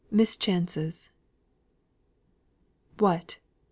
MISCHANCES. "What!